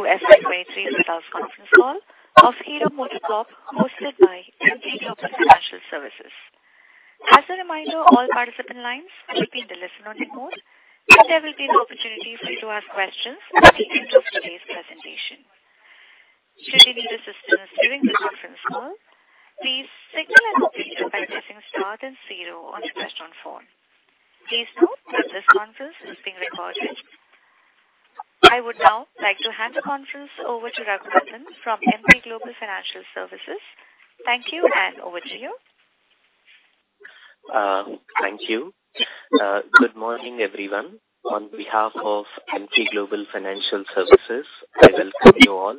Welcome to the Q2 FY23 results conference call of Hero MotoCorp hosted by Emkay Global Financial Services. As a reminder, all participant lines will be in the listen-only mode, and there will be an opportunity for you to ask questions at the end of today's presentation. Should you need assistance during the conference call, please signal an operator by pressing star then zero on your touchtone phone. Please note that this conference is being recorded. I would now like to hand the conference over to Raghunathan N from Emkay Global Financial Services. Thank you, and over to you. Thank you. Good morning, everyone. On behalf of Emkay Global Financial Services, I welcome you all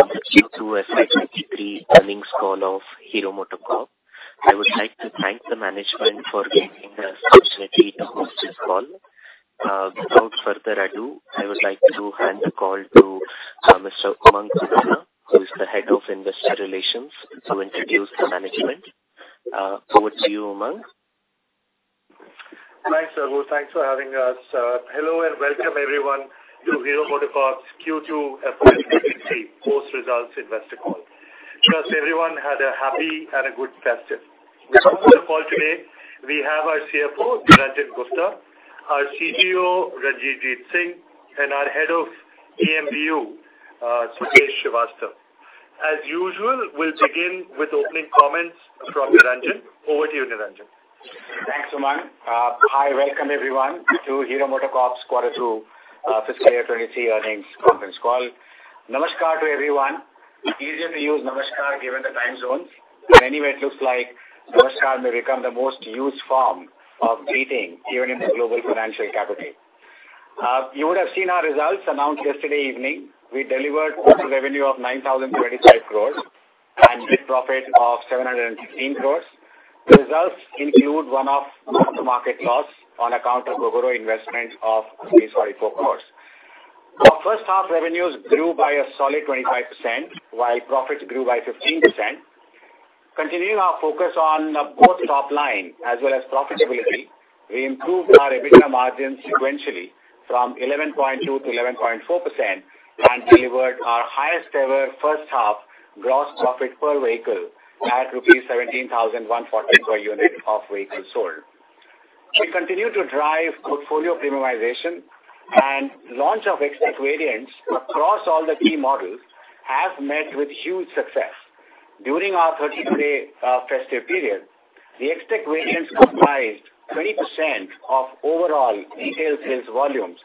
on the Q2 FY23 earnings call of Hero MotoCorp. I would like to thank the management for giving us the opportunity to host this call. Without further ado, I would like to hand the call to Mr. Umang Khurana, who is the head of investor relations, to introduce the management. Over to you, Umang. Thanks, Raghu. Thanks for having us. Hello and welcome everyone to Hero MotoCorp's Q2 FY23 post-results investor call. Trust everyone had a happy and a good festive. With us on the call today, we have our CFO, Niranjan Gupta, our CGO, Ranjivjit Singh, and our head of EMBU, Swadesh Srivastava. As usual, we'll begin with opening comments from Niranjan. Over to you, Niranjan. Thanks, Umang. Hi. Welcome, everyone, to Hero MotoCorp's quarter two, fiscal year 2023 earnings conference call. Namaskar to everyone. Easier to use namaskar given the time zones. Anyway, it looks like namaskar may become the most used form of greeting even in the global financial capital. You would have seen our results announced yesterday evening. We delivered total revenue of 9,025 crores and net profit of 716 crores. The results include one-off mark-to-market loss on account of Gogoro investments of 44 crores. Our first half revenues grew by a solid 25%, while profits grew by 15%. Continuing our focus on both top line as well as profitability, we improved our EBITDA margins sequentially from 11.2%-11.4% and delivered our highest ever first half gross profit per vehicle at rupees 17,140 per unit of vehicles sold. We continue to drive portfolio premiumization, and launch of XTec variants across all the key models has met with huge success. During our 32-day festive period, the XTec variants comprised 20% of overall retail sales volumes,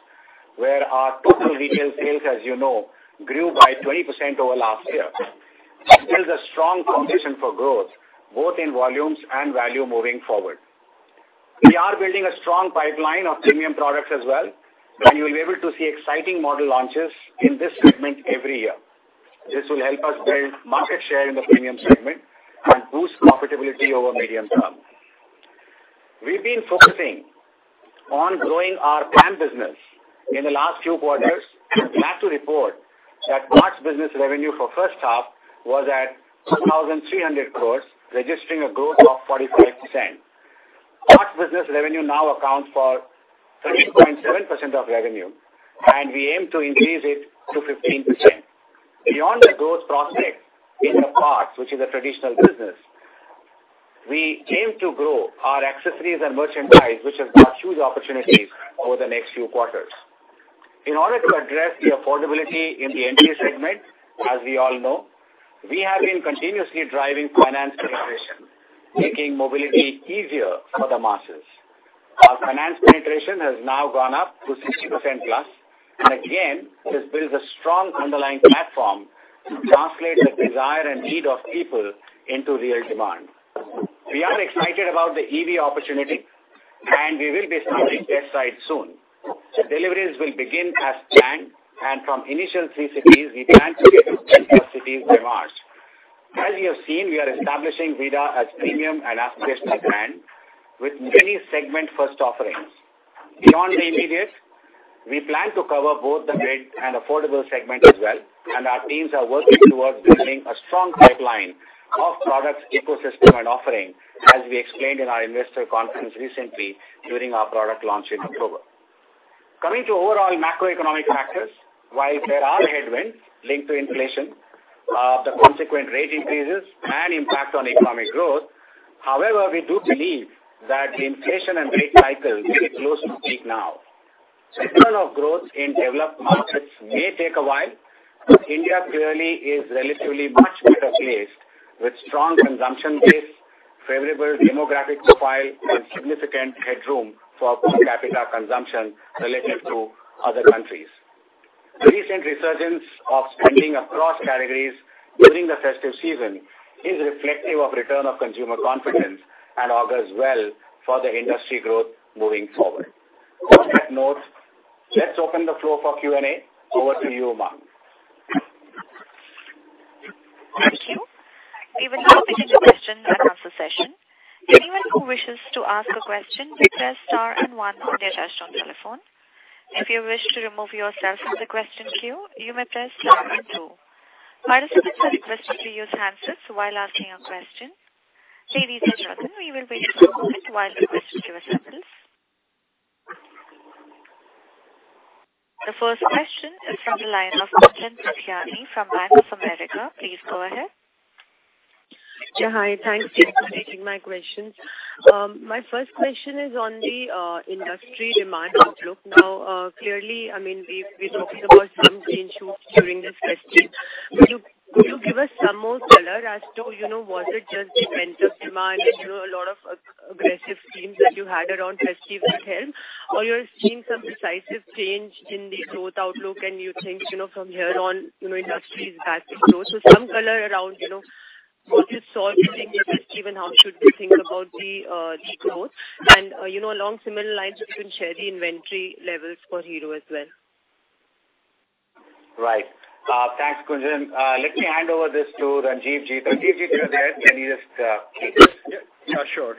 where our total retail sales, as you know, grew by 20% over last year. This builds a strong foundation for growth, both in volumes and value moving forward. We are building a strong pipeline of premium products as well, and you will be able to see exciting model launches in this segment every year. This will help us build market share in the premium segment and boost profitability over medium term. We've been focusing on growing our parts business in the last few quarters. I'm glad to report that parts business revenue for first half was at 2,300 crore, registering a growth of 45%. Parts business revenue now accounts for 13.7% of revenue, and we aim to increase it to 15%. Beyond the growth prospects in the parts, which is a traditional business, we aim to grow our accessories and merchandise, which have got huge opportunities over the next few quarters. In order to address the affordability in the entry segment, as we all know, we have been continuously driving finance penetration, making mobility easier for the masses. Our finance penetration has now gone up to 60%+, and again, this builds a strong underlying platform to translate the desire and need of people into real demand. We are excited about the EV opportunity, and we will be starting test rides soon. Deliveries will begin as planned, and from initial 3 cities, we plan to get to 10+ cities by March. As you have seen, we are establishing Vida as premium and aspirational brand with many segment first offerings. Beyond the immediate, we plan to cover both the mid and affordable segment as well, and our teams are working towards building a strong pipeline of products, ecosystem and offering, as we explained in our investor conference recently during our product launch in October. Coming to overall macroeconomic factors, while there are headwinds linked to inflation, the consequent rate increases and impact on economic growth, however, we do believe that inflation and rate cycle may be close to peak now. Signal of growth in developed markets may take a while, but India clearly is relatively much better placed with strong consumption base, favorable demographic profile and significant headroom for per capita consumption relative to other countries. Recent resurgence of spending across categories during the festive season is reflective of return of consumer confidence and augurs well for the industry growth moving forward. On that note, let's open the floor for Q&A. Over to you, Umang. Thank you. We will now begin the question and answer session. Anyone who wishes to ask a question, may press star and one on their touchtone telephone. If you wish to remove yourself from the question queue, you may press star and two. Participants are requested to use handsets while asking a question. Ladies and gentlemen, we will wait a moment while participants assemble. The first question is from the line of Gunjan Prithyani from Bank of America. Please go ahead. Yeah. Hi. Thanks for taking my questions. My first question is on the industry demand outlook. Now, clearly, I mean, we've talked about some green shoots during this festive. Could you give us some more color as to, you know, was it just the pent-up demand and, you know, a lot of aggressive schemes that you had around festive that helped? Or you're seeing some decisive change in the growth outlook and you think, you know, from here on, you know, industry is back to growth. Some color around, you know, what you saw during the festive and how should we think about the growth. You know, along similar lines, you can share the inventory levels for Hero as well. Right. Thanks, Gunjan. Let me hand over this to Ranjivjit Singh. Ranjivjit Singh, you're there, can you just take this? Yeah, sure.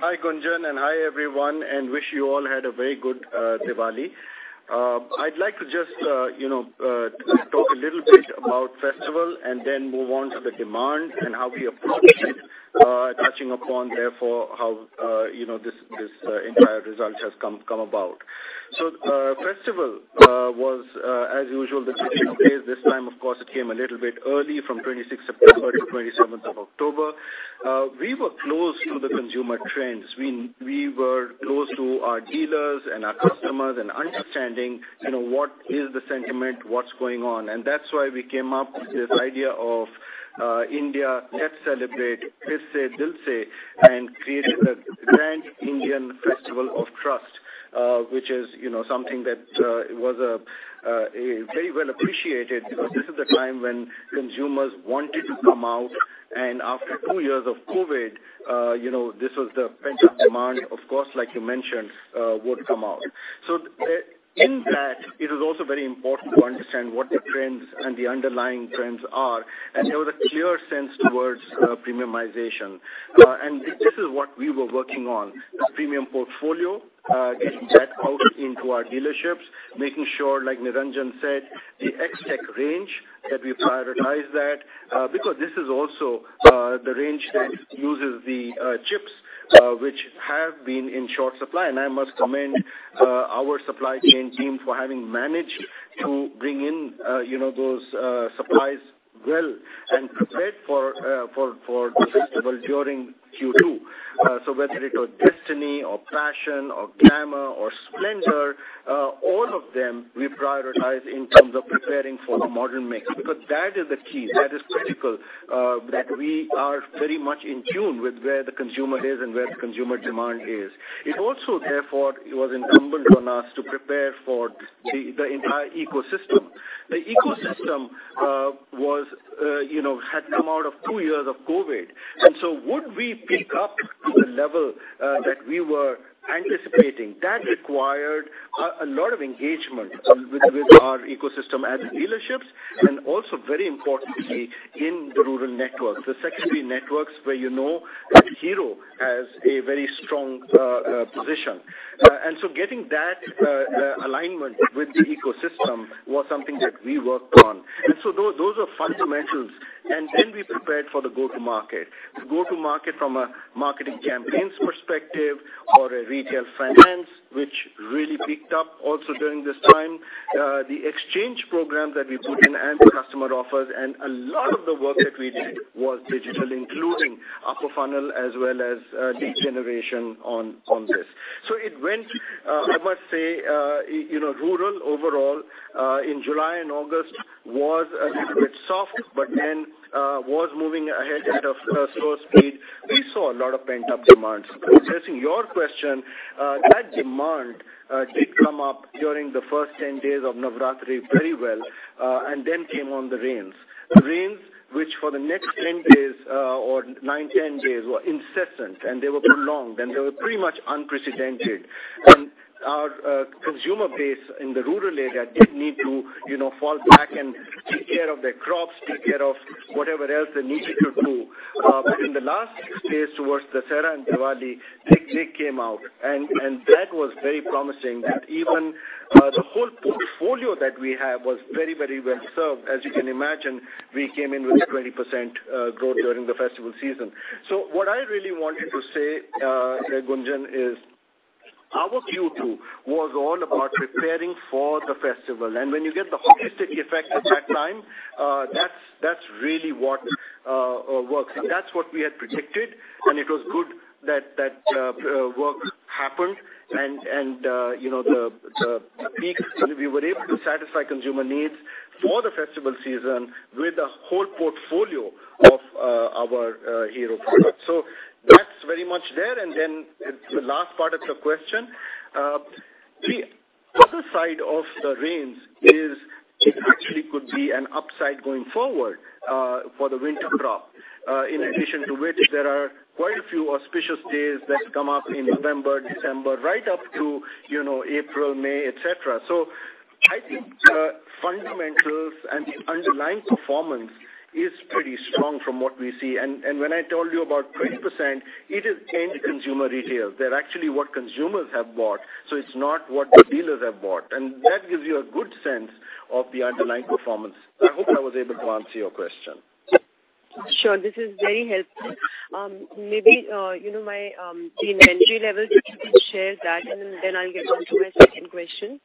Hi, Gunjan, and hi everyone, and wish you all had a very good Diwali. I'd like to just, you know, talk a little bit about festival and then move on to the demand and how we approach it, touching upon therefore how, you know, this entire result has come about. Festival was as usual this year. This time, of course, it came a little bit early from 26th of September to 27th of October. We were close to the consumer trends. We were close to our dealers and our customers and understanding, you know, what is the sentiment, what's going on. That's why we came up with this idea of India let's celebrate, Jashn Dil Se, and created a grand Indian festival of trust, which is, you know, something that was very well appreciated because this is the time when consumers wanted to come out. After two years of COVID, you know, this was the pent-up demand, of course, like you mentioned, would come out. In that, it is also very important to understand what the trends and the underlying trends are. There was a clear sense towards premiumization. This is what we were working on, the premium portfolio, getting that out into our dealerships, making sure, like Niranjan said, the XTec range, that we prioritize that, because this is also the range that uses the chips, which have been in short supply. I must commend our supply chain team for having managed to bring in, you know, those supplies well and prepared for this festival during Q2. Whether it was Destini or Passion or Glamour or Splendor, all of them we prioritize in terms of preparing for a modern mix, because that is the key. That is critical, that we are very much in tune with where the consumer is and where the consumer demand is. It also, therefore, it was incumbent on us to prepare for the entire ecosystem. The ecosystem, you know, had come out of two years of COVID. Would we pick up to the level that we were anticipating? That required a lot of engagement with our ecosystem at the dealerships, and also very importantly in the rural network, the secondary networks where, you know, Hero has a very strong position. Getting that alignment with the ecosystem was something that we worked on. Those are fundamentals. Then we prepared for the go to market. The go to market from a marketing campaigns perspective or a retail finance, which really picked up also during this time. The exchange program that we put in and customer offers and a lot of the work that we did was digital, including upper funnel as well as lead generation on this. It went, I must say, you know, rural overall in July and August was a little bit soft, but then was moving ahead at a slow speed. We saw a lot of pent-up demand. Addressing your question, that demand did come up during the first 10 days of Navratri very well, and then came the rains. The rains, which for the next 10 days or nine, 10 days were incessant and they were prolonged, and they were pretty much unprecedented. Our consumer base in the rural area did need to, you know, fall back and take care of their crops, take care of whatever else they needed to do. In the last six days towards Dussehra and Diwali, they came out and that was very promising that even the whole portfolio that we have was very, very well served. As you can imagine, we came in with a 20% growth during the festival season. What I really wanted to say, Gunjan, is our Q2 was all about preparing for the festival. When you get the holistic effect at that time, that's really what works. That's what we had predicted. It was good that work happened and you know we were able to satisfy consumer needs for the festival season with a whole portfolio of our Hero products. That's very much there. Then the last part of your question. The other side of the rains is it actually could be an upside going forward for the winter crop in addition to which there are quite a few auspicious days that come up in November, December, right up to you know April, May, etc. I think fundamentals and the underlying performance is pretty strong from what we see. When I told you about 20%, it is end consumer retail. There actually what consumers have bought, so it's not what the dealers have bought. That gives you a good sense of the underlying performance. I hope I was able to answer your question. Sure. This is very helpful. Maybe, you know, the inventory levels, if you could share that, and then I'll get on to my second question.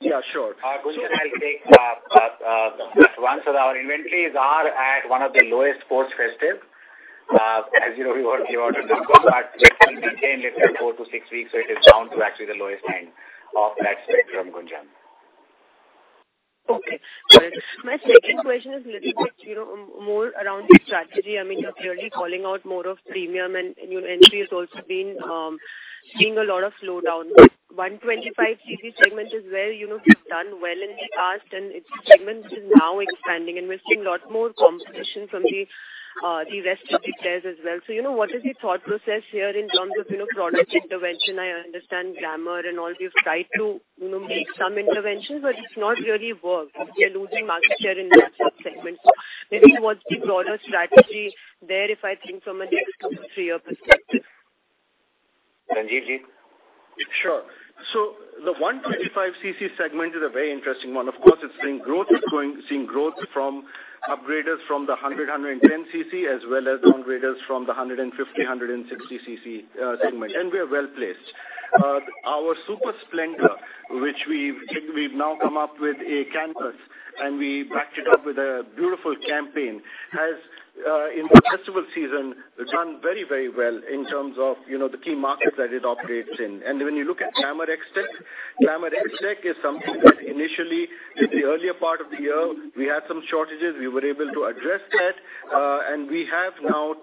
Yeah, sure. Gunjan, I'll take this one. Our inventories are at one of the lowest post-festive. As you know, we won't give out at this point, but it will be 10-14-6 weeks. It is down to actually the lowest end of that spectrum, Gunjan. Okay, good. My second question is a little bit, you know, more around the strategy. I mean, you're clearly calling out more of premium and new entry has also been seeing a lot of slowdown. 125 cc segment is where, you know, we've done well in the past and it's a segment which is now expanding, and we're seeing lot more competition from the rest of the players as well. So, you know, what is the thought process here in terms of, you know, product intervention? I understand Glamour and all you've tried to, you know, make some interventions, but it's not really worked. We are losing market share in that segment. So maybe what's the broader strategy there if I think from a next two to three year perspective? Ranjivjit, please. Sure. The 125 cc segment is a very interesting one. Of course, it's seeing growth from upgraders from the 100, 110 cc as well as downgraders from the 150, 160 cc segment. We are well-placed. Our Super Splendor, which we've now come up with a canvas and we backed it up with a beautiful campaign, has in the festival season done very, very well in terms of, you know, the key markets that it operates in. When you look at Glamour XTec, Glamour XTec is something that initially in the earlier part of the year, we had some shortages. We were able to address that. We have now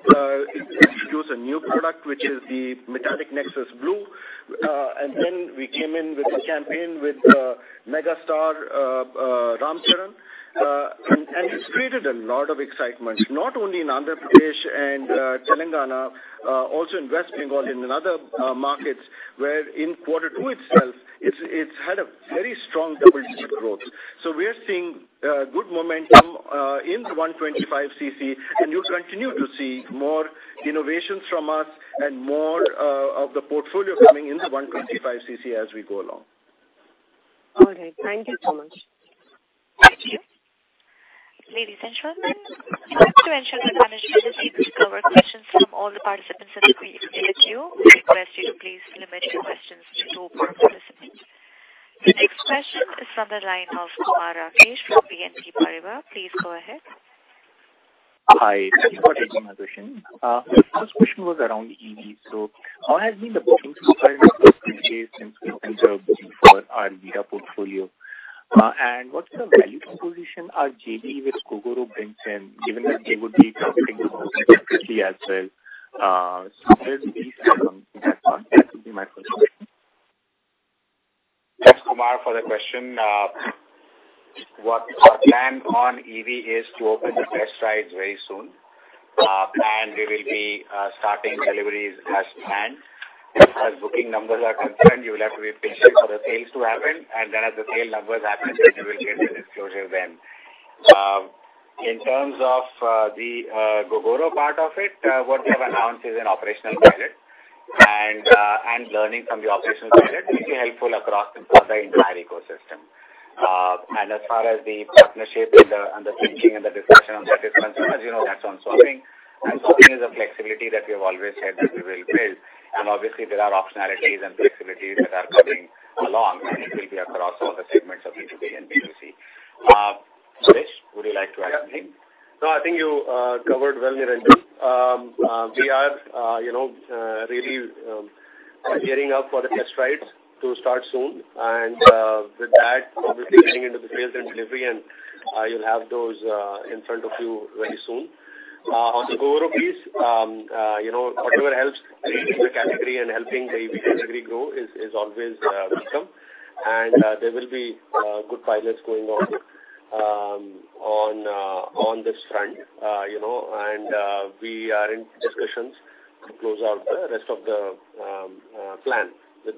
introduced a new product, which is the Metallic Nexus Blue. We came in with a campaign with mega star Ram Charan. It's created a lot of excitement, not only in Andhra Pradesh and Telangana, also in West Bengal, in other markets where in quarter two itself, it had a very strong double-digit growth. We are seeing good momentum in the 125 cc, and you'll continue to see more innovations from us and more of the portfolio coming in the 125 cc as we go along. All right. Thank you so much. Thank you. Ladies and gentlemen, to ensure that management is able to cover questions from all the participants in the queue, we request you to please limit your questions to two per participant. The next question is from the line of Kumar Rakesh from BNP Paribas. Please go ahead. Hi. Thank you for taking my question. First question was around EV. How has been the bookings so far in terms of purchase and, you know, in terms of booking for our Vida portfolio? And what's the value proposition our JV with Gogoro brings in, given that they would be competing mostly as well. Where do we stand on that front? That would be my first question. Thanks, Kumar, for the question. What our plan on EV is to open the test rides very soon. We will be starting deliveries as planned. As booking numbers are concerned, you will have to be patient for the sales to happen. Then as the sale numbers happen, then you will get the disclosure then. In terms of the Gogoro part of it, what we have announced is an operational credit. Learning from the operational credit will be helpful across the entire ecosystem. As far as the partnership and the thinking and the discussion on that is concerned, as you know, that's on swapping. Swapping is a flexibility that we have always said that we will build. Obviously there are optionalities and flexibilities that are coming along, and it will be across all the segments of 2W and 3W. Swadesh, would you like to add anything? No, I think you covered well, Niranjan. We are, you know, really gearing up for the test rides to start soon. With that, obviously getting into the sales and delivery, and you'll have those in front of you very soon. On the Gogoro piece, you know, whatever helps increase the category and helping the EV category grow is always welcome. There will be good pilots going on this front. You know, we are in discussions to close out the rest of the plan with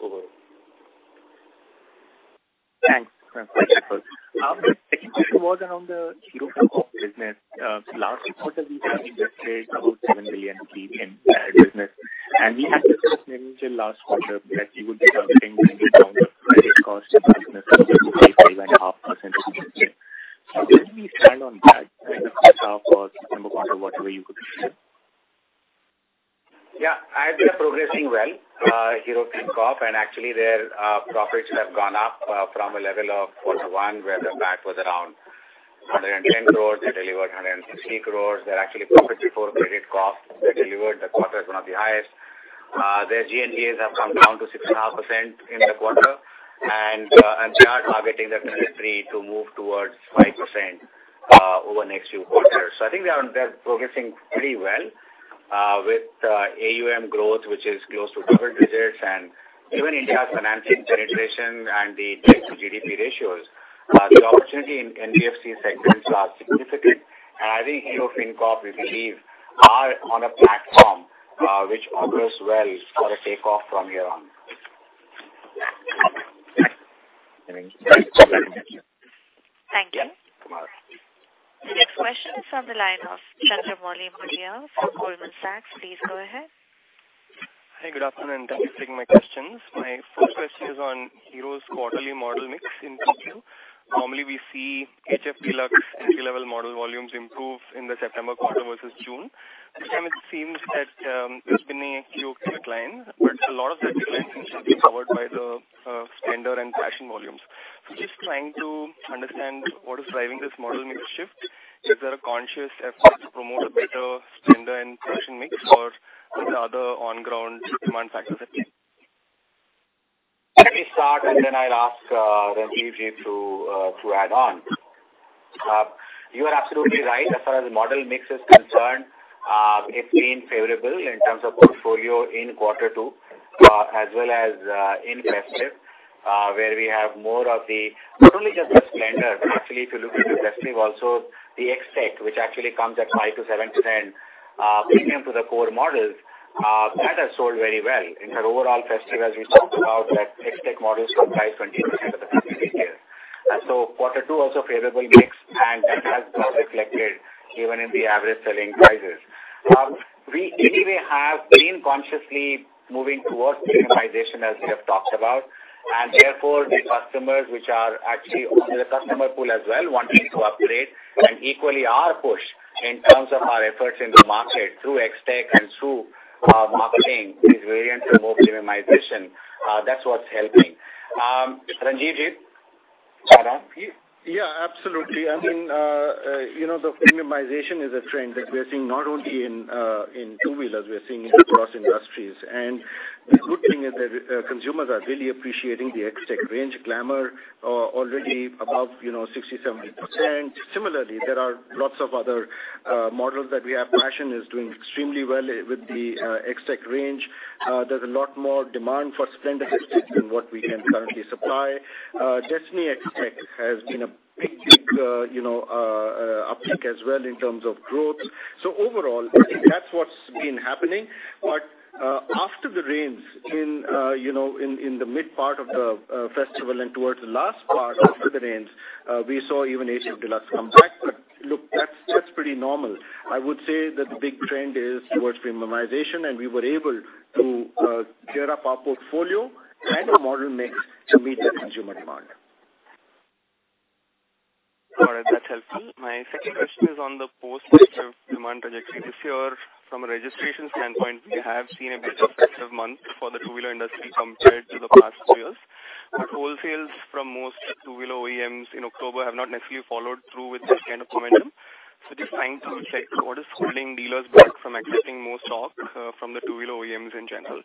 Gogoro. Thanks. Thanks, Swadesh. Second question was around the Hero FinCorp business. Last quarter we had invested about 7 billion in that business, and we had mentioned last quarter that you would be covering maybe around credit cost in business of maybe 5.5%. Could you please expand on that in the first half or September quarter, whatever you could share? Yeah. I think they're progressing well, Hero FinCorp, and actually their profits have gone up from a level of quarter one, where the PAT was around 110 crores. They delivered 160 crores. Their actual profits before credit cost they delivered in the quarter is one of the highest. Their GNPAs have come down to 6.5% in the quarter. They are targeting that industry to move towards 5% over next few quarters. I think they're progressing pretty well with AUM growth, which is close to double digits. Even in their financing generation and the debt to GDP ratios, the opportunity in NBFC segments are significant. I think Hero FinCorp, we believe, are on a platform which augurs well for a takeoff from here on. Thank you. Kumar. The next question is on the line of Chandramouli Muthiah from Goldman Sachs. Please go ahead. Hi, good afternoon, and thank you for taking my questions. My first question is on Hero's quarterly model mix in 2Q. Normally, we see HF Deluxe and entry-level model volumes improve in the September quarter versus June. This time it seems that it's been a QoQ decline, but a lot of that decline seems to be covered by the Splendor and Passion volumes. Just trying to understand what is driving this model mix shift. Is there a conscious effort to promote a better Splendor and Passion mix or any other on-ground demand factors at play? Let me start, and then I'll ask, Ranjivjit ji to add on. You are absolutely right as far as model mix is concerned. It's been favorable in terms of portfolio in quarter two, as well as in festive, where we have Not only just the Splendor, actually, if you look into festive also, the XTec, which actually comes at 5%-7% premium to the core models, that has sold very well. In the overall festive, as we talked about, that XTec models comprise 20% of the revenue this year. Quarter two, also favorable mix, and that has been reflected even in the average selling prices. We anyway have been consciously moving towards premiumization, as we have talked about. Therefore, the customers which are actually on the customer pool as well wanting to upgrade and equally are pushed in terms of our efforts in the market through XTec and through, marketing these variants for more premiumization. That's what's helping. Ranjivjit ji, add on, please. Yeah, absolutely. I mean, you know, the premiumization is a trend that we are seeing not only in two-wheelers, we are seeing it across industries. The good thing is that consumers are really appreciating the XTec range. Glamour already above 60%-70%. Similarly, there are lots of other models that we have. Passion is doing extremely well with the XTec range. There's a lot more demand for Splendor XTec than what we can currently supply. Destini XTec has been a big uptick as well in terms of growth. So overall, I think that's what's been happening. After the rains in you know in the mid part of the festival and towards the last part after the rains, we saw even HF Deluxe come back. Look, that's pretty normal. I would say that the big trend is towards premiumization, and we were able to gear up our portfolio and the model mix to meet the consumer demand. All right. That's helpful. My second question is on the post-festive demand trajectory this year. From a registration standpoint, we have seen a bit of festive month for the two-wheeler industry compared to the past four years. Wholesales from most two-wheeler OEMs in October have not necessarily followed through with that kind of momentum. Just trying to check what is holding dealers back from accepting more stock from the two-wheeler OEMs in general.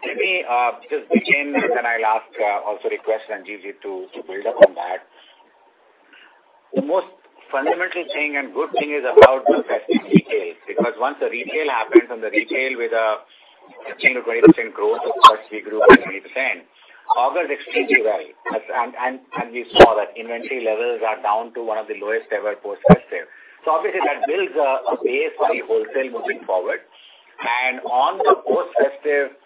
Let me just begin, and then I'll ask also request Ranjivjit to build up on that. The most fundamental thing and good thing is about the festive retail, because once the retail happens and the retail with a 15%-20% growth, of course we grew by 20%, augurs extremely well. We saw that inventory levels are down to one of the lowest ever post-festive. Obviously that builds a base for the wholesale moving forward. On the post-festive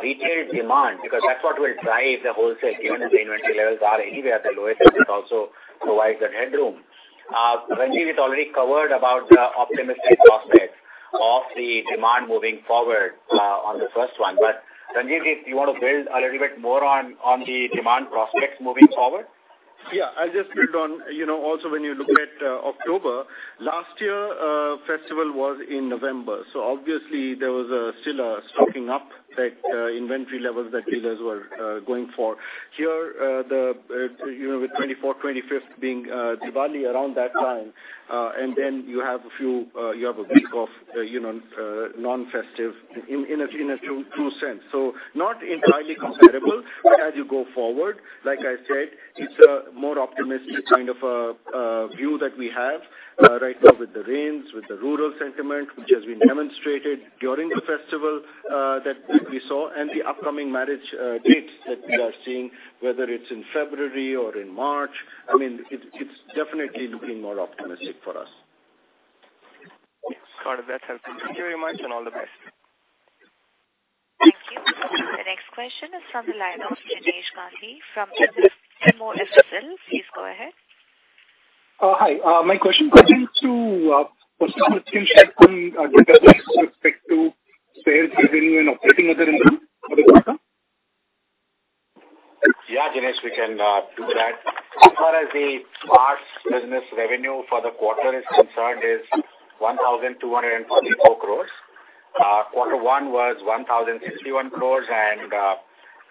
retail demand, because that's what will drive the wholesale, given that the inventory levels are anyway at the lowest and it also provides that headroom. Ranjit has already covered about the optimistic prospects of the demand moving forward on the first one. Ranjivjit, if you wanna build a little bit more on the demand prospects moving forward. Yeah. I'll just build on. You know, also when you look at October last year, festival was in November, so obviously there was still a stocking up that inventory levels that dealers were going for. Here, with 24th, 25th being Diwali around that time, and then you have a few, a week of you know, non-festive in a true sense. So not entirely comparable, but as you go forward, like I said, it's a more optimistic kind of view that we have right now with the rains, with the rural sentiment, which has been demonstrated during the festival that we saw and the upcoming marriage dates that we are seeing, whether it's in February or in March. I mean, it's definitely looking more optimistic for us. Got it. That's helpful. Thank you very much and all the best. Thank you. The next question is from the line of Jinesh Gandhi from Kotak Mahindra Research. Please go ahead. Hi. My question pertains to premium segment share from data points with respect to sales revenue and operating other income for the quarter. Yeah, Jinesh, we can do that. As far as the parts business revenue for the quarter is concerned is 1,244 crores. Quarter one was 1,061 crores and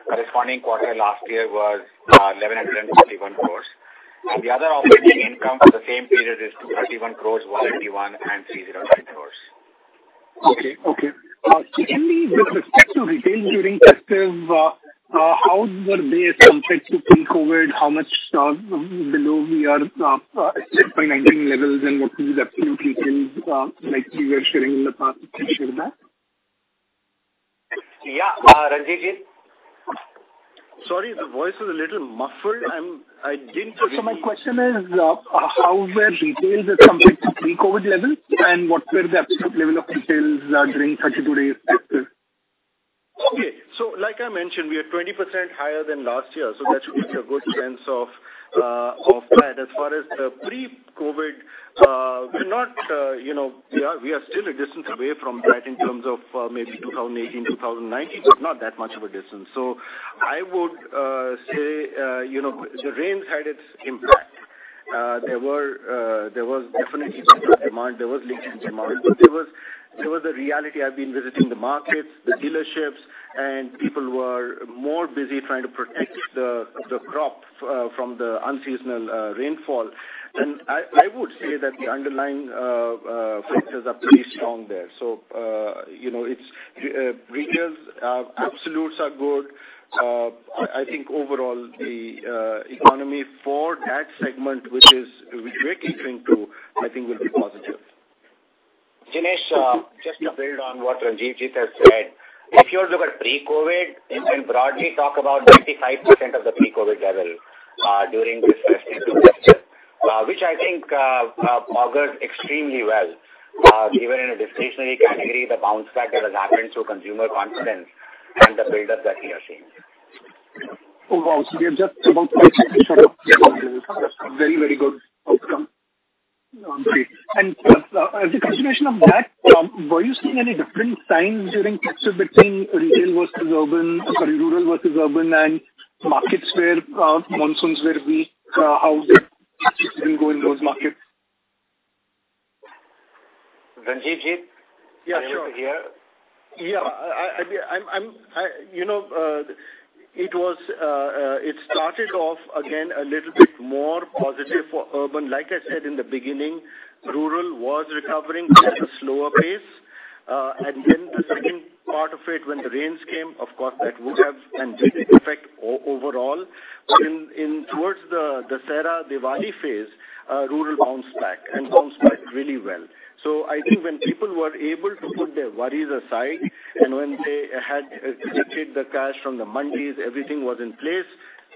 corresponding quarter last year was 1,141 crores. The other operating income for the same period is 231 crores, 181 crores and 305 crores. Okay. Secondly, with respect to retail during festive, how were they as compared to pre-COVID? How much below we are pre-2019 levels and what is the absolute retail, like you were sharing in the past? Can you share that? Yeah. Ranjit ji. Sorry, the voice is a little muffled. I didn't fully. My question is, how were retails as compared to pre-COVID levels, and what were the absolute level of retails during such a good festive? Like I mentioned, we are 20% higher than last year, so that should give you a good sense of that. As far as the pre-COVID, we're not, you know, we are still a distance away from that in terms of maybe 2018, 2019, but not that much of a distance. I would say, you know, the rains had its impact. There was definitely demand, there was latent demand, but there was a reality. I've been visiting the markets, the dealerships, and people were more busy trying to protect the crop from the unseasonal rainfall. I would say that the underlying factors are pretty strong there. You know, it's retailers, absolutes are good. I think overall the economy for that segment, which is greatly linked to, I think will be positive. Jinesh, just to build on what Ranjit has said. If you look at pre-COVID and broadly talk about 95% of the pre-COVID level, during this first two quarters, which I think augurs extremely well, given in a discretionary category, the bounce back that has happened to consumer confidence and the build-up that we are seeing. Oh, wow. We are just about to sort of very, very good outcome. Great. As a continuation of that, were you seeing any different signs during Diwali between retail versus urban, sorry, rural versus urban and markets where monsoons were weak, how did it go in those markets? Ranjitjit? Yeah, sure. Are you able to hear? Yeah. You know, it was, it started off again a little bit more positive for urban. Like I said in the beginning, rural was recovering at a slower pace. The second part of it, when the rains came, of course, that would have and did affect overall. In toward the pre-Diwali phase, rural bounced back and bounced back really well. I think when people were able to put their worries aside and when they had dedicated the cash from the monsoons, everything was in place,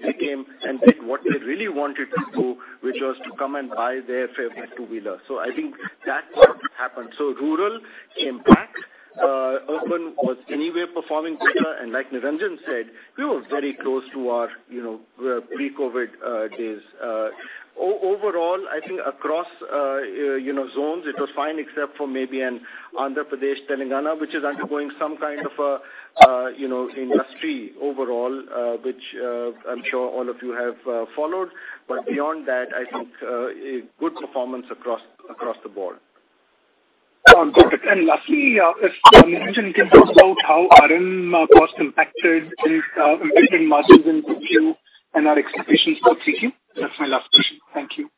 they came and did what they really wanted to do, which was to come and buy their favorite two-wheeler. I think that's what happened. Rural came back, urban was anyway performing better. Like Niranjan said, we were very close to our, you know, pre-COVID days. Overall, I think across, you know, zones it was fine except for maybe an Andhra Pradesh, Telangana, which is undergoing some kind of, you know, industry overhaul, which, I'm sure all of you have followed. Beyond that, I think, a good performance across the board. Good. Lastly, if Niranjan can talk about how RM cost impacted EBITDA margins in Q2 and our expectations for Q3. That's my last question. Thank you.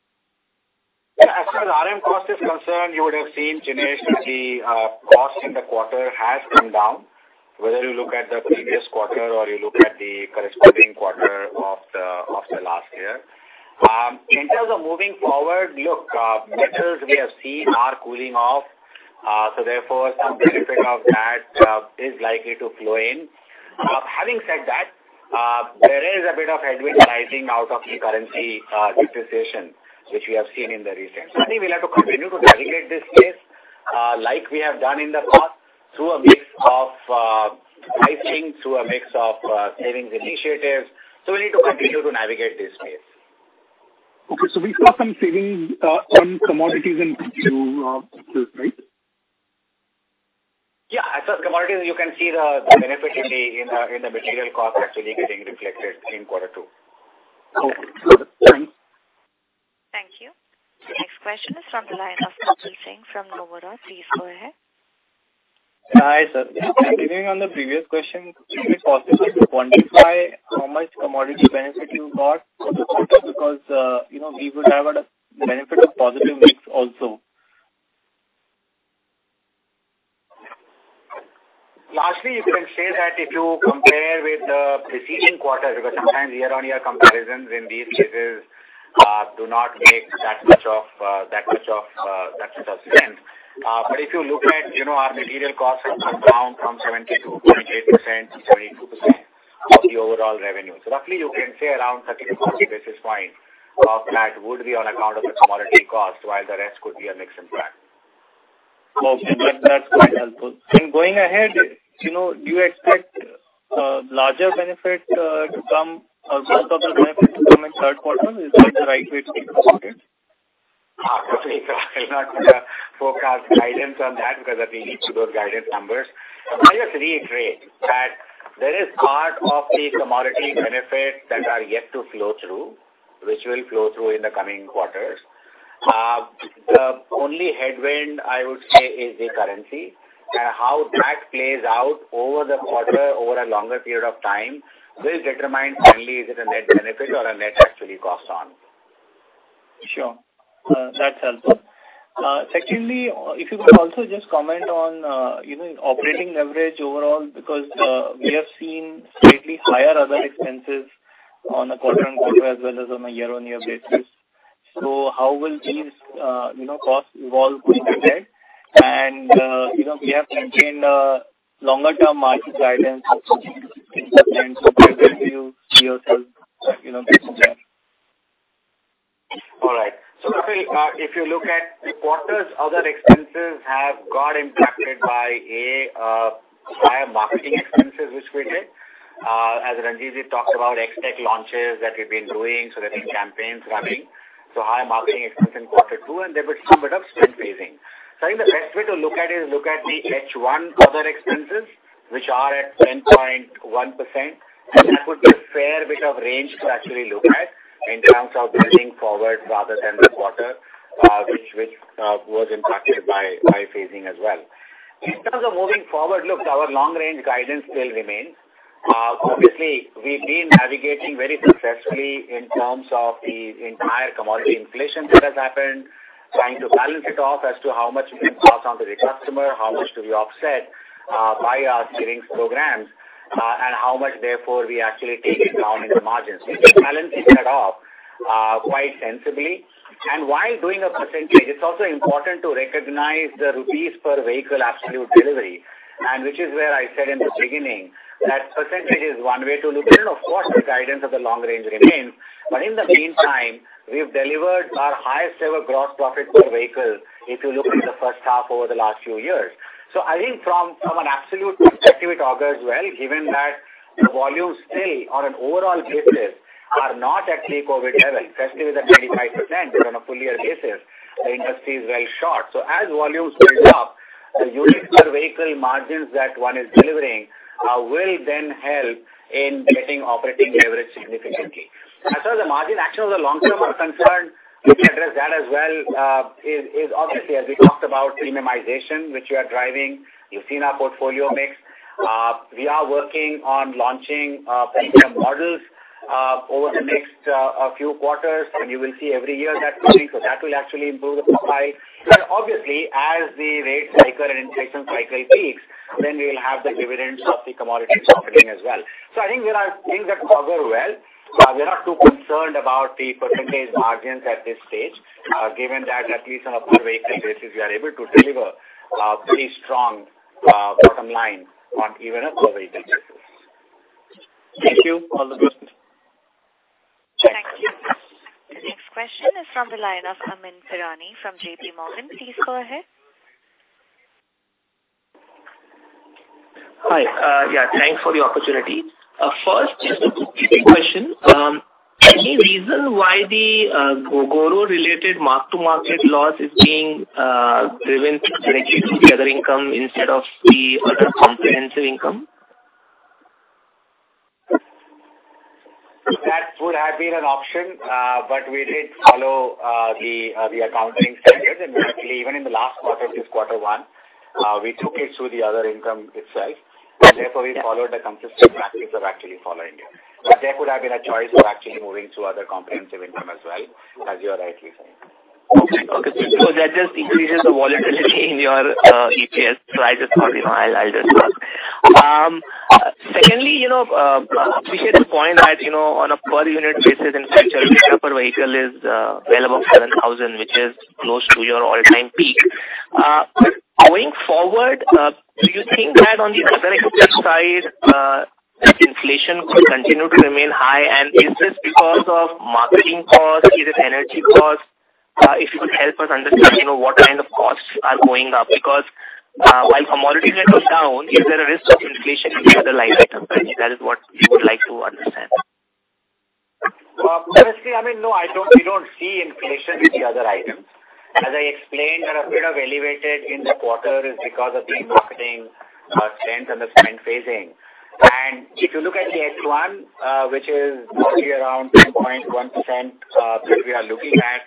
As far as RM cost is concerned, you would have seen, Jinesh, that the cost in the quarter has come down, whether you look at the previous quarter or you look at the corresponding quarter of the last year. In terms of moving forward, metals we have seen are cooling off. Therefore some benefit of that is likely to flow in. Having said that, there is a bit of headwind rising out of the currency depreciation, which we have seen in the recent. I think we'll have to continue to navigate this space like we have done in the past, through a mix of pricing and savings initiatives. We need to continue to navigate this space. Okay. We saw some savings on commodities in Q2, right? Yeah. As far as commodities, you can see the benefit in the material cost actually getting reflected in quarter two. Okay. Got it. Thanks. Thank you. The next question is from the line of Kapil Singh from Nomura. Please go ahead. Hi, sir. Continuing on the previous question, is it possible to quantify how much commodity benefit you got because, you know, we would have a benefit of positive mix also? Largely, you can say that if you compare with the preceding quarter, because sometimes year-on-year comparisons in these cases do not make that much sense. If you look at, you know, our material costs have come down from 70.8%-72% of the overall revenue. Roughly you can say around 30 basis points of that would be on account of the commodity cost, while the rest could be a mix impact. Okay. That's quite helpful. Going ahead, you know, do you expect larger benefit to come or most of the benefit to come in third quarter? Is that the right way to think about it? Kapil, I'm not gonna forecast guidance on that because that will lead to those guidance numbers. I just reiterate that there is part of the commodity benefits that are yet to flow through, which will flow through in the coming quarters. The only headwind, I would say is the currency. How that plays out over the quarter, over a longer period of time will determine finally is it a net benefit or a net actually cost on. Sure. That's helpful. Secondly, if you could also just comment on, you know, operating leverage overall, because we have seen slightly higher other expenses on a quarter-on-quarter as well as on a year-on-year basis. How will these, you know, costs evolve going ahead? You know, we have maintained a longer-term margin guidance of 16%. Where do you see yourself, you know, getting there? If you look at the quarters, other expenses have got impacted by a higher marketing expenses which we did. As Ranjivjit talked about, Xtec launches that we've been doing, so there are campaigns running. Higher marketing expense in quarter two, and there was some bit of spend phasing. I think the best way to look at the H1 other expenses, which are at 10.1%. That would be a fair bit of range to actually look at in terms of building forward rather than the quarter, which was impacted by phasing as well. In terms of moving forward, look, our long-range guidance still remains. Obviously, we've been navigating very successfully in terms of the entire commodity inflation that has happened, trying to balance it off as to how much we can pass on to the customer, how much do we offset, by our savings programs, and how much, therefore, we actually take it down in the margins. We've been balancing that off, quite sensibly. While doing a percentage, it's also important to recognize the rupees per vehicle absolute delivery, and which is where I said in the beginning that percentage is one way to look at it. Of course, the guidance of the long range remains. In the meantime, we've delivered our highest ever gross profit per vehicle if you look at the first half over the last few years. I think from an absolute perspective, it augurs well, given that the volumes still on an overall basis are not at pre-COVID level. Especially with the 35% is on a full year basis, the industry is very short. As volumes build up, the unit per vehicle margins that one is delivering will then help in getting operating leverage significantly. As far as the margin action of the long term are concerned, let me address that as well. It is obviously, as we talked about premiumization, which we are driving, you've seen our portfolio mix. We are working on launching premium models over the next few quarters, and you will see every year that coming. That will actually improve the supply. Obviously, as the rate cycle and inflation cycle peaks, then we'll have the dividends of the commodity softening as well. I think there are things that favor well. We're not too concerned about the percentage margins at this stage, given that at least on a per vehicle basis, we are able to deliver, pretty strong, bottom line on even a per vehicle basis. Thank you. All the best. Thank you. The next question is from the line of Amyn Pirani from JPMorgan. Please go ahead. Hi. Yeah, thanks for the opportunity. First, just a quick question. Any reason why the Gogoro related mark-to-market loss is being driven to the other income instead of the other comprehensive income? That would have been an option, but we did follow the accounting standards. Actually, even in the last quarter, this quarter one, we took it through the other income itself, and therefore we followed the consistent practice of actually following it. There could have been a choice of actually moving to other comprehensive income as well, as you're rightly saying. That just increases the volatility in your EPS. I just thought, you know, I'll just ask. Secondly, you know, appreciate the point that, you know, on a per unit basis, in fact, your per vehicle is well above 7,000, which is close to your all-time peak. Going forward, do you think that on the other expense side, inflation could continue to remain high? Is this because of marketing costs? Is it energy costs? If you could help us understand, you know, what kind of costs are going up. Because, while commodity may come down, is there a risk of inflation in the other line items? That is what we would like to understand. Honestly, I mean, no, we don't see inflation in the other items. As I explained, they're a bit elevated in the quarter because of the marketing spend and the spend phasing. If you look at the H1, which is mostly around 10.1%, that we are looking at,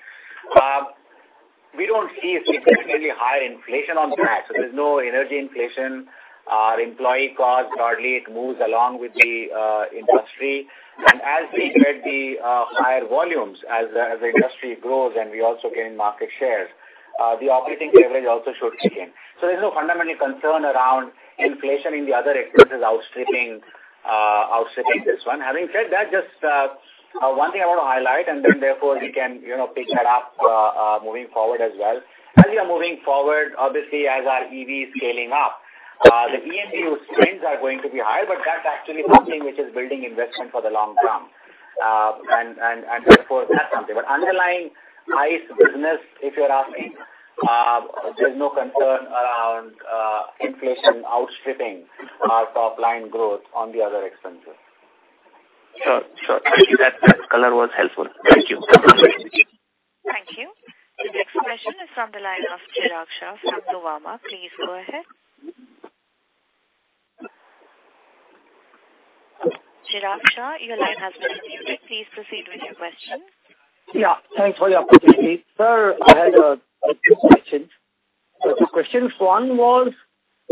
we don't see significantly higher inflation on the back. There's no energy inflation. Our employee costs, broadly, it moves along with the industry. As we get the higher volumes, as the industry grows and we also gain market shares, the operating leverage also should kick in. There's no fundamental concern around inflation in the other expenses outstripping this one. Having said that, just one thing I wanna highlight, and then therefore we can, you know, pick that up moving forward as well. As we are moving forward, obviously, as our EV is scaling up, the CapEx spends are going to be high, but that's actually something which is building investment for the long term. And therefore that's something. But underlying ICE business, if you're asking, there's no concern around inflation outstripping our top line growth on the other expenses. Sure. Thank you. That color was helpful. Thank you. Thank you. The next question is from the line of Chirag Shah from Nomura. Please go ahead. Chirag Shah, your line has been unmuted. Please proceed with your question. Yeah, thanks for the opportunity. Sir, I had a few questions. Two questions. One was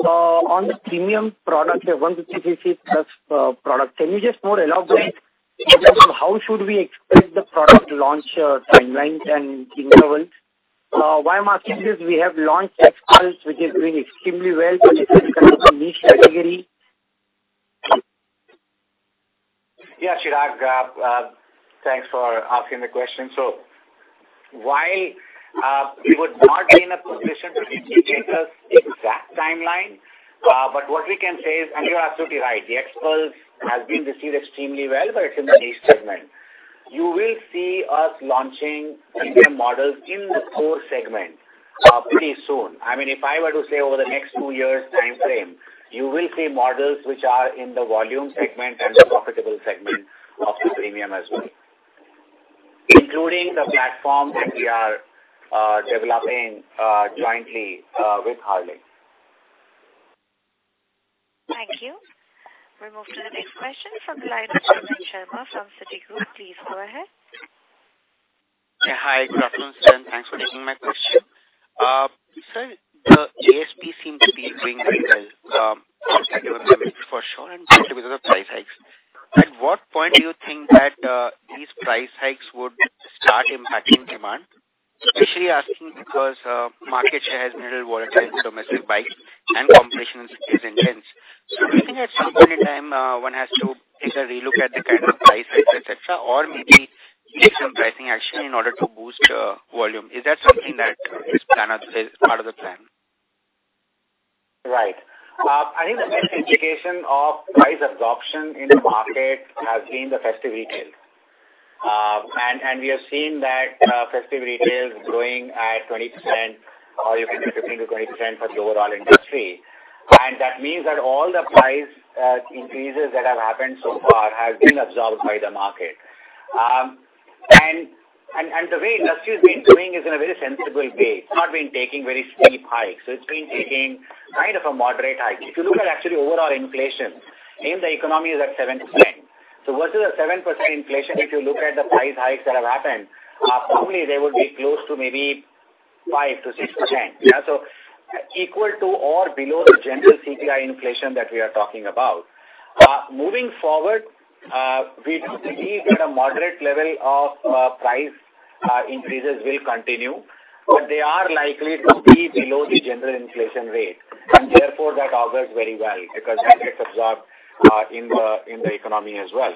on the premium product, the 150 cc plus product. Can you just elaborate how should we expect the product launch timelines and intervals? Why am I asking this? We have launched XPulse, which is doing extremely well, so this is kind of a niche category. Yeah, Chirag. Thanks for asking the question. While we would not be in a position to give you the exact timeline, but what we can say is, and you are absolutely right, the XPulse has been received extremely well, but it's in the niche segment. You will see us launching premium models in the core segment pretty soon. I mean, if I were to say over the next 2 years timeframe, you will see models which are in the volume segment and the profitable segment of the premium as well, including the platform that we are developing jointly with Harley-Davidson. Thank you. We move to the next question from the line of Shivan Sharma from Citigroup. Please go ahead. Yeah. Hi. Good afternoon, sir, and thanks for taking my question. Sir, the ASP seems to be doing very well, for sure, and because of the price hikes. At what point do you think that these price hikes would start impacting demand? Especially asking because market share has been a little volatile in domestic bikes and competition is intense. Do you think at some point in time one has to take a relook at the kind of price hikes, et cetera, or maybe take some pricing action in order to boost volume? Is that something that is part of the plan? Right. I think the best indication of price absorption in the market has been the festive retail. We have seen that festive retail growing at 20% or you can say 15%-20% for the overall industry. That means that all the price increases that have happened so far have been absorbed by the market. The way industry has been doing is in a very sensible way. It's not been taking very steep hikes. It's been taking kind of a moderate hike. If you look at actually overall inflation in the economy is at 7%. Versus a 7% inflation, if you look at the price hikes that have happened, probably they would be close to maybe 5%-6%. Yeah. Equal to or below the general CPI inflation that we are talking about. Moving forward, we do believe that a moderate level of price increases will continue, but they are likely to be below the general inflation rate, and therefore that augurs very well because that gets absorbed in the economy as well.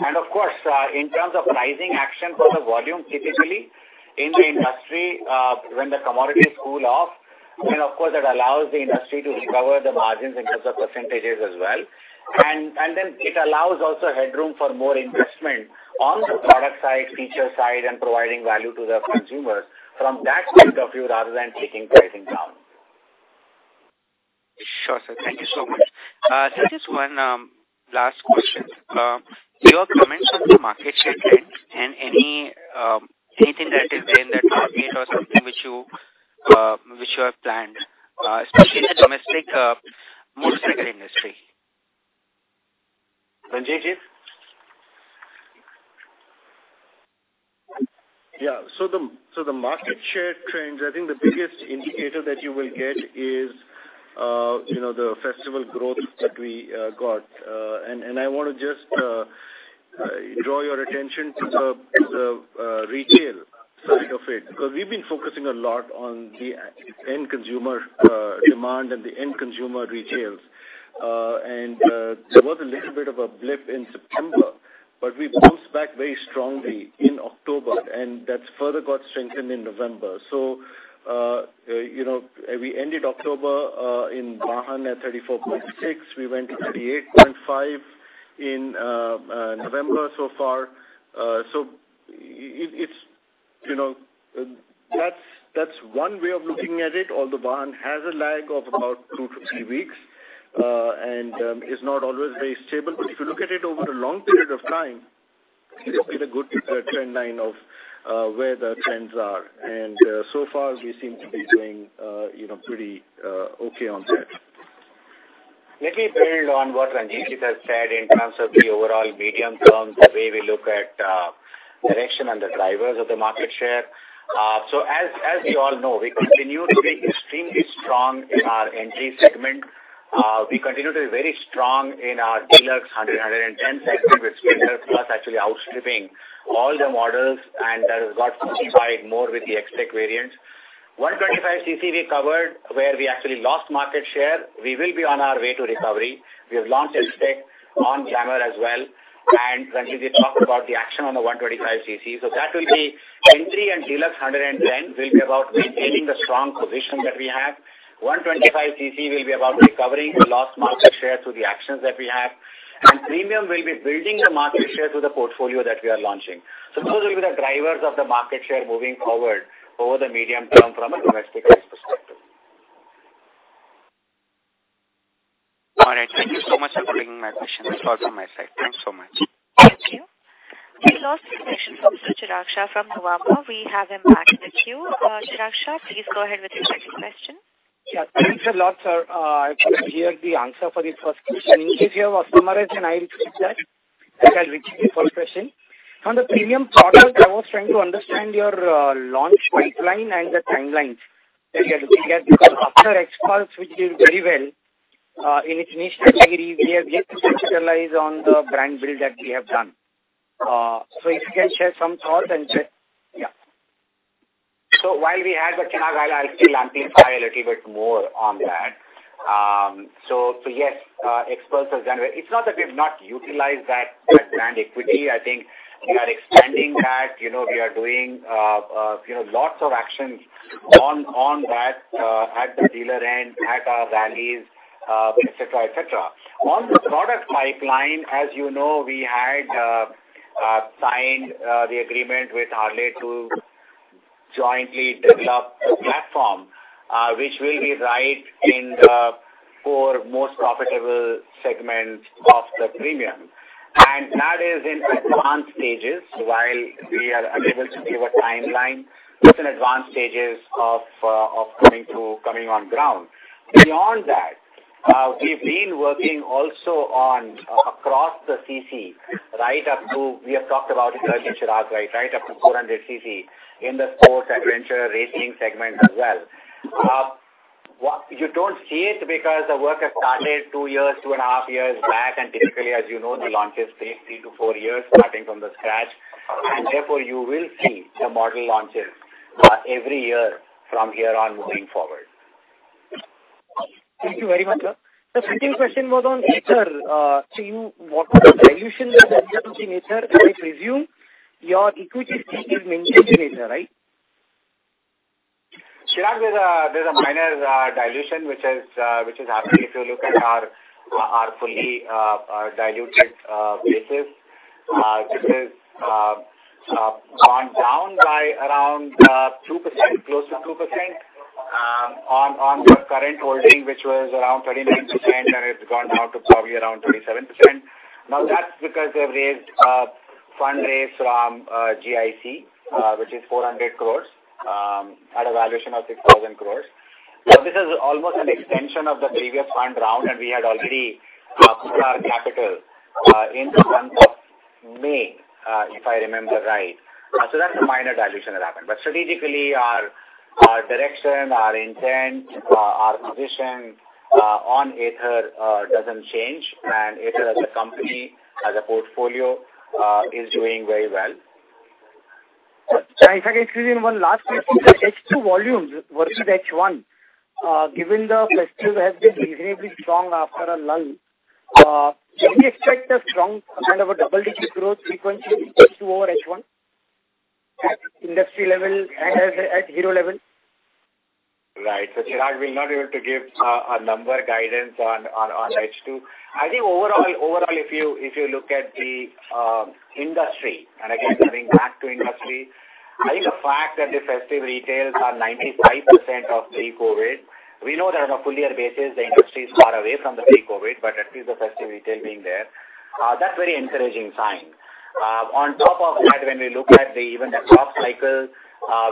Of course, in terms of pricing action for the volume, typically in the industry, when the commodities cool off, then of course that allows the industry to recover the margins in terms of percentages as well. Then it allows also headroom for more investment on the product side, feature side, and providing value to the consumers from that point of view rather than taking pricing down. Sure, sir. Thank you so much. Sir, just one last question. Your comments on the market share trends and anything that is in the target or something which you have planned, especially in the domestic motorcycle industry? Ranjit? Yeah. The market share trends, I think the biggest indicator that you will get is, you know, the festival growth that we got. I wanna just draw your attention to the retail side of it, because we've been focusing a lot on the end consumer demand and the end consumer retail. There was a little bit of a blip in September, but we bounced back very strongly in October, and that further got strengthened in November. You know, we ended October in Vahan at 34.6%. We went to 38.5% in November so far. It's you know that's one way of looking at it, although Vahan has a lag of about 2-3 weeks and is not always very stable. If you look at it over a long period of time, it has been a good trend line of where the trends are. So far we seem to be doing you know pretty okay on that. Let me build on what Ranjit has said in terms of the overall medium term, the way we look at direction and the drivers of the market share. As you all know, we continue to be extremely strong in our entry segment. We continue to be very strong in our Deluxe 110 segment with Splendor Plus actually outstripping all the models and that has got fortified more with the XTec variants. 125 cc we covered where we actually lost market share. We will be on our way to recovery. We have launched XTec on Glamour as well. Ranjit talked about the action on the 125 cc. That will be entry and Deluxe 110 will be about maintaining the strong position that we have. 125 cc will be about recovering the lost market share through the actions that we have. Premium will be building the market share through the portfolio that we are launching. Those will be the drivers of the market share moving forward over the medium term from a domestic perspective. All right. Thank you so much for taking my questions. That's all from my side. Thanks so much. Thank you. We lost the connection from Mr. Chirag Shah from Nuvama. We have him back in the queue. Chirag Shah, please go ahead with your second question. Yeah. Thanks a lot, sir. I could hear the answer for the first question. In case you have summarized then I'll take that. Like I'll repeat the first question. On the premium product, I was trying to understand your launch pipeline and the timelines that you are looking at because after XPulse, which did very well in its niche category, we have yet to materialize on the brand build that we have done. So if you can share some thoughts and check. Yeah. While we have the Karizma, I'll still amplify a little bit more on that. XPulse has been. It's not that we've not utilized that brand equity. I think we are expanding that. You know, we are doing, you know, lots of actions on that at the dealer end, at our rallies, et cetera, et cetera. On the product pipeline, as you know, we had signed the agreement with Harley-Davidson to jointly develop a platform, which will be right in the four most profitable segments of the premium. That is in advanced stages. While we are unable to give a timeline, it's in advanced stages of coming on ground. Beyond that, we've been working also on across the cc, right up to. We have talked about it earlier, Chirag, right? Right up to 400 cc in the sports adventure racing segment as well. You don't see it because the work has started 2 years, 2.5 years back, and typically, as you know, the launch is 3-4 years starting from scratch. Therefore, you will see the model launches every year from here on moving forward. Thank you very much, sir. The second question was on Ather. What was the dilution that resulted in Ather? Can I presume your equity stake is maintained in Ather, right? Chirag, there's a minor dilution which is happening. If you look at our fully diluted basis, this is gone down by around 2%, close to 2%, on the current holding, which was around 39%, and it's gone down to probably around 37%. Now, that's because they've raised funds from GIC, which is 400 crore, at a valuation of 6,000 crore. This is almost an extension of the previous fund round, and we had already put our capital in the month of May, if I remember right. That's a minor dilution that happened. Strategically, our direction, our intent, our position on Ather doesn't change. Ather as a company, as a portfolio, is doing very well. If I can squeeze in one last question. H2 volumes versus H1, given the festive has been reasonably strong after a lull, can we expect a strong kind of a double-digit growth frequency in H2 over H1 at industry level and at Hero level? Right. Chirag, we're not able to give a number guidance on H2. I think overall, if you look at the industry, and again coming back to industry, I think the fact that the festive retails are 95% of pre-COVID, we know that on a full year basis the industry is far away from the pre-COVID, but at least the festive retail being there, that's very encouraging sign. On top of that, when we look at even the crop cycle,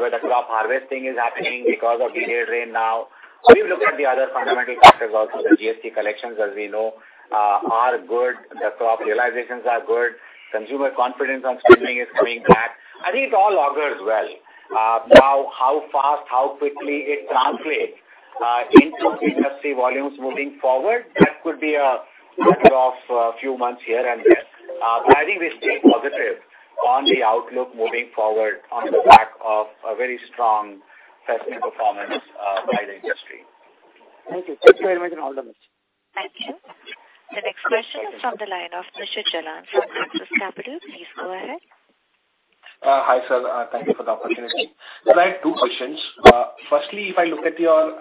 where the crop harvesting is happening because of delayed rain now. You look at the other fundamental factors also, the GST collections as we know are good. The crop realizations are good. Consumer confidence on spending is coming back. I think it all augurs well. Now how fast, how quickly it translates into industry volumes moving forward, that could be a matter of a few months here and there. I think we stay positive on the outlook moving forward on the back of a very strong festive performance by the industry. Thank you. Thanks very much and all the best. Thank you. The next question is from the line of Vaibhav Jalan from Axis Capital. Please go ahead. Hi, sir. Thank you for the opportunity. I have two questions. Firstly, if I look at your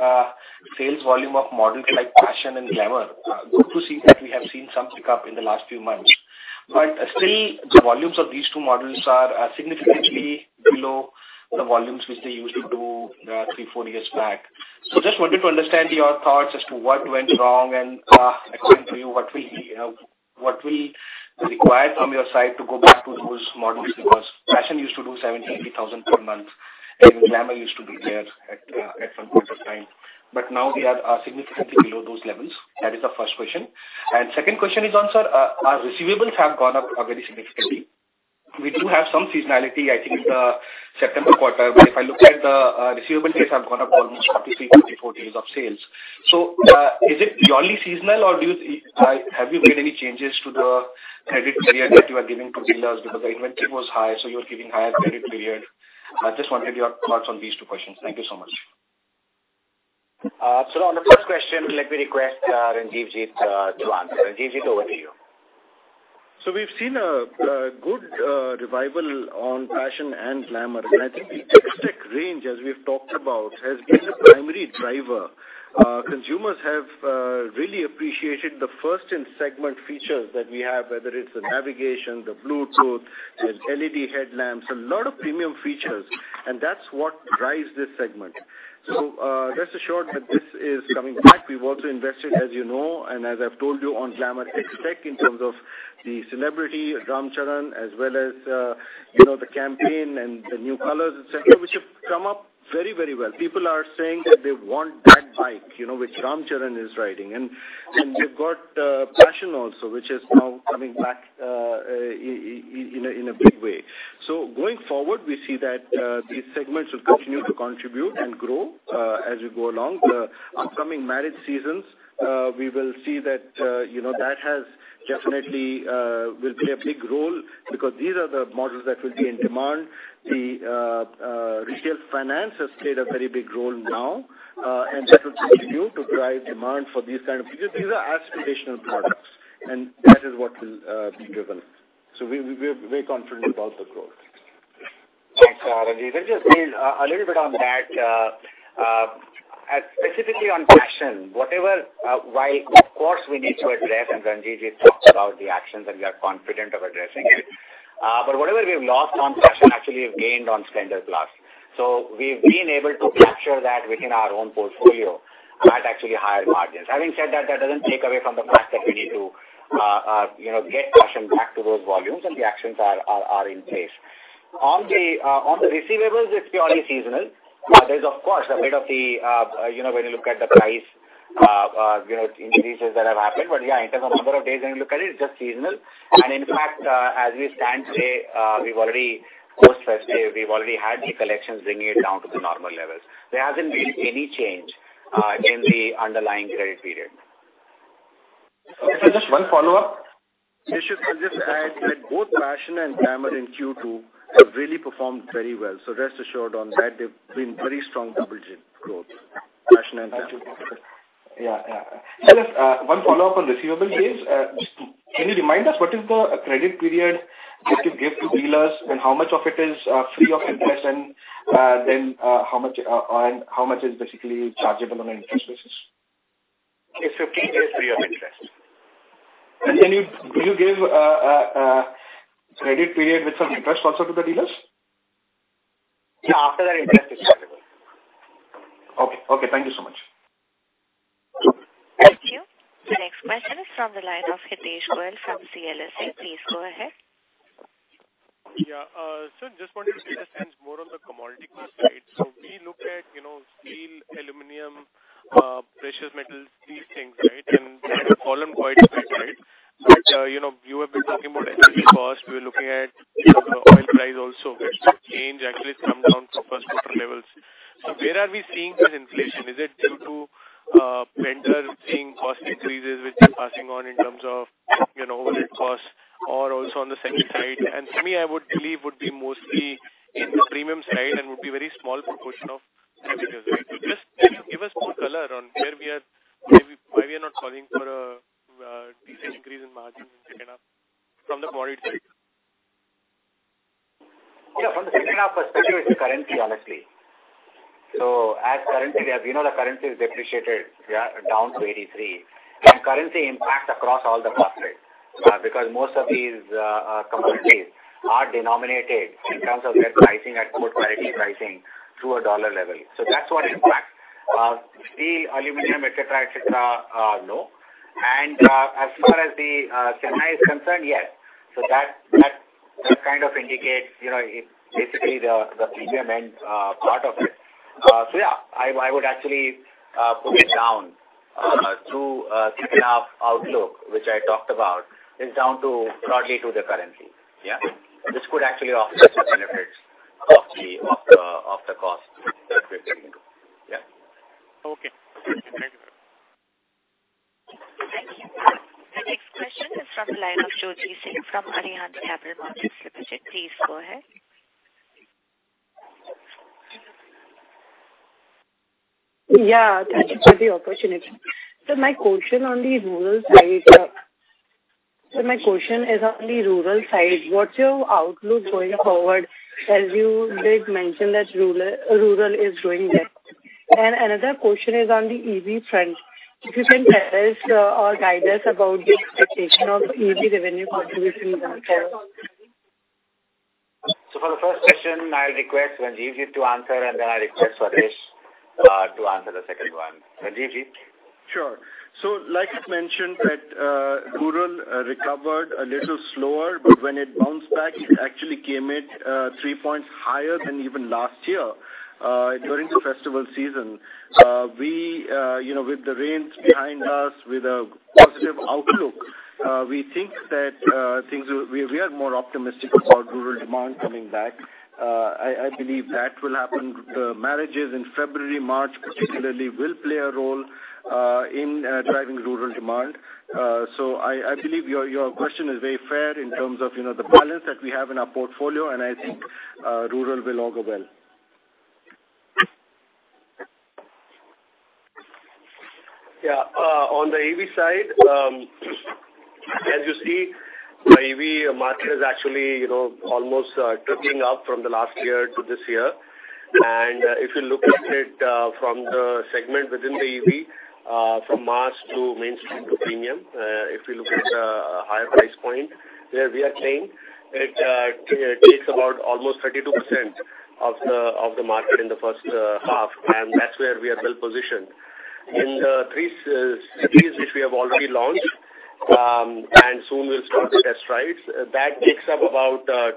sales volume of models like Passion and Glamour, good to see that we have seen some pickup in the last few months. Still the volumes of these two models are significantly below the volumes which they used to do 3-4 years back. Just wanted to understand your thoughts as to what went wrong and according to you, what will, you know, what will be required from your side to go back to those models? Because Passion used to do 70,000-80,000 per month and Glamour used to be there at some point of time. Now they are significantly below those levels. That is the first question. Second question is on, sir, our receivables have gone up very significantly. We do have some seasonality, I think in the September quarter. If I look at the receivable days have gone up almost 33, 34 days of sales. Is it purely seasonal or have you made any changes to the credit period that you are giving to dealers because the inventory was high, so you're giving higher credit period? I just wanted your thoughts on these two questions. Thank you so much. On the first question, let me request, Ranjivjit, to answer. Ranjivjit, over to you. We've seen a good revival on Passion and Glamour. I think the XTec range, as we've talked about, has been the primary driver. Consumers have really appreciated the first in segment features that we have, whether it's the navigation, the Bluetooth, the LED headlamps, a lot of premium features, and that's what drives this segment. Rest assured that this is coming back. We've also invested, as you know, and as I've told you on Glamour XTec in terms of the celebrity Ram Charan as well as, you know, the campaign and the new colors, et cetera, which have come up very, very well. People are saying that they want that bike, you know, which Ram Charan is riding. We've got Passion also, which is now coming back in a big way. Going forward, we see that these segments will continue to contribute and grow as we go along. The upcoming marriage seasons, we will see that you know that will play a big role because these are the models that will be in demand. The retail finance has played a very big role now. That will continue to drive demand for these kind of. Because these are aspirational products and that is what will be driven. We're very confident about the growth. Thanks, Ranjivjit. Let's just build a little bit on that, specifically on Passion. Of course, we need to address, and Ranjivjit just talked about the actions, and we are confident of addressing it. Whatever we have lost on Passion, actually we've gained on Splendor Plus. We've been able to capture that within our own portfolio at actually higher margins. Having said that doesn't take away from the fact that we need to, you know, get Passion back to those volumes, and the actions are in place. On the receivables, it's purely seasonal. There's of course a bit of the, you know, when you look at the price, you know, increases that have happened. Yeah, in terms of number of days when you look at it's just seasonal. In fact, as we stand today, we've already had the collections bringing it down to the normal levels. There hasn't been any change in the underlying credit period. Okay. Sir, just one follow-up. Vishal, I'll just add that both Passion and Glamour in Q2 have really performed very well. Rest assured on that, they've been very strong double-digit growth, Passion and Glamour. Yeah, yeah. Just one follow-up on receivable days. Can you remind us what is the credit period that you give to dealers and how much of it is free of interest and then how much is basically chargeable on an interest basis? It's 15 days free of interest. Can you give a credit period with some interest also to the dealers? Yeah, after that interest is chargeable. Okay. Okay. Thank you so much. Thank you. The next question is from the line of Hitesh Goel from CLSA. Please go ahead. Yeah. Just wanted to take a sense more on the commodity cost side. We look at, you know, steel, aluminum, precious metals, these things, right? to a second half outlook, which I talked about, is down to broadly to the currency. This could actually offer some benefits of the cost that we're getting into. Okay. Thank you. Thank you. The next question is from the line of Jyoti Singh from Arihant Capital Markets Limited. Please go ahead. Yeah, thank you for the opportunity. My question is on the rural side, what's your outlook going forward, as you did mention that rural is doing well? Another question is on the EV front. If you can tell us or guide us about the expectation of EV revenue contribution going forward. For the first question, I'll request Ranjivjit to answer, and then I request Swadesh to answer the second one. Ranjivjit? Sure. Like I mentioned that, rural recovered a little slower, but when it bounced back, it actually came at three points higher than even last year during the festival season. We, you know, with the rains behind us, with a positive outlook, we think that things will. We are more optimistic about rural demand coming back. I believe that will happen. Marriages in February, March particularly will play a role in driving rural demand. I believe your question is very fair in terms of, you know, the balance that we have in our portfolio, and I think rural will all go well. Yeah. On the EV side, as you see, the EV market is actually, you know, almost tripling up from the last year to this year. If you look at it, from the segment within the EV, from mass to mainstream to premium, if you look at higher price point, where we are playing, it takes about almost 32% of the market in the first half, and that's where we are well positioned. In the three cities which we have already launched, and soon we'll start the test rides, that takes up about 26%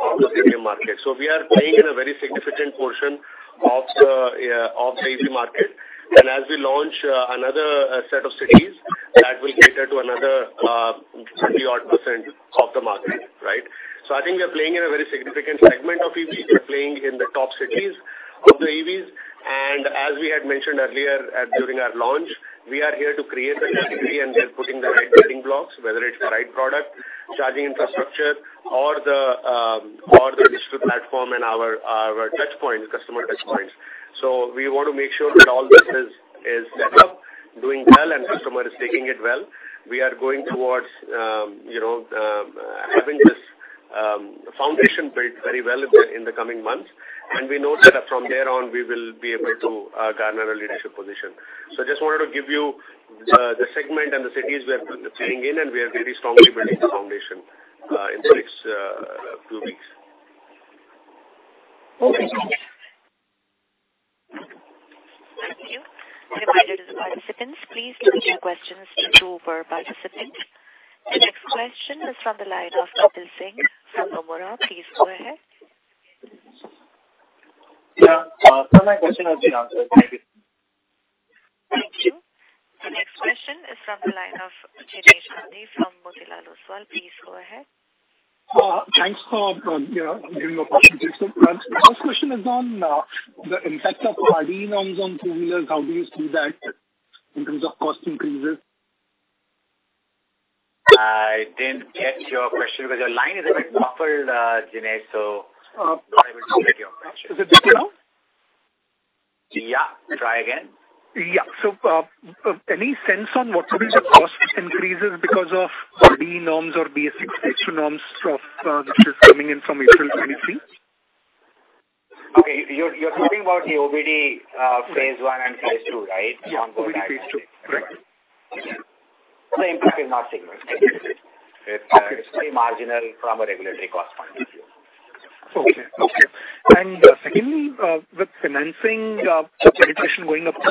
of the premium market. We are playing in a very significant portion of the EV market. As we launch another set of cities, that will cater to another 20-odd% of the market, right? I think we are playing in a very significant segment of EV. We're playing in the top cities of the EVs. As we had mentioned earlier during our launch, we are here to create the category and we are putting the right building blocks, whether it's the right product, charging infrastructure or the IoT platform and our touch points, customer touch points. We want to make sure that all this is set up, doing well, and customer is taking it well. We are going towards you know having this foundation built very well in the coming months. We know that from there on we will be able to garner a leadership position. Just wanted to give you the segment and the cities we are playing in, and we are very strongly building the foundation in the next two weeks. Okay. Thank you. I invite other participants. Please leave your questions to other participants. The next question is from the line of Kapil Singh from Nomura. Please go ahead. Yeah. Some of my questions have been answered. Thank you. Thank you. The next question is from the line of Jinesh Gandhi from Motilal Oswal. Please go ahead. Thanks for, you know, giving the opportunity. My first question is on the impact of RDE norms on two-wheelers. How do you see that in terms of cost increases? I didn't get your question because your line is a bit muffled, Jinesh, so. I will repeat your question. Is it better now? Yeah. Try again. Any sense on what could be the cost increases because of RDE norms or BS-VI Phase 2 norms, which is coming in from April 2023? Okay. You're talking about the OBD Phase 1 and Phase 2, right? Yeah. OBD Phase 2. Correct. The impact is not significant. Okay. It's very marginal from a regulatory cost point of view. Secondly, with financing penetration going up to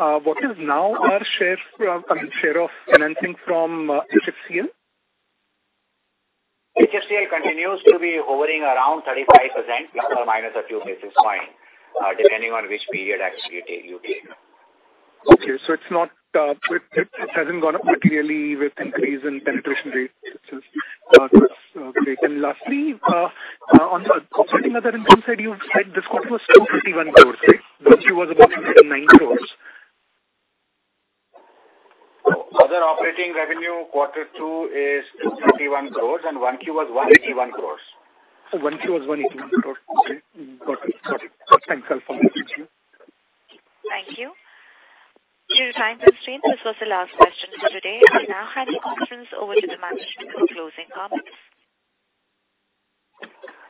60%+, what is now our share, I mean, share of financing from Hero FinCorp? HFCL continues to be hovering around 35% ± a few basis point, depending on which period actually you take. Okay. It hasn't gone up materially with increase in penetration rates. That's great. Lastly, on the operating other income side, you said this quarter was 251 crores, right? Q was about 699 crores. Other operating revenue quarter two is 251 crores and Q1 was 181 crores. 1Q was 181 crores. Okay. Got it. Thanks. I'll follow up with you. Thank you. Due to time constraint, this was the last question for today. I now hand the conference over to the management for closing comments.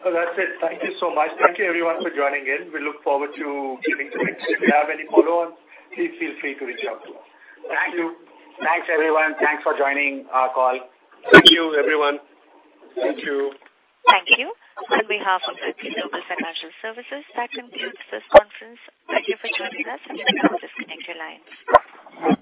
That's it. Thank you so much. Thank you everyone for joining in. We look forward to speaking to you next. If you have any follow-ons, please feel free to reach out to us. Thank you. Thanks, everyone. Thanks for joining our call. Thank you, everyone. Thank you. Thank you. On behalf of Emkay Global Financial Services, that concludes this conference. Thank you for joining us. You may now disconnect your lines.